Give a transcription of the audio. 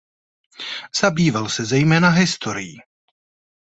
Zabýval se zejména historií.